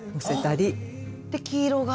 で黄色が。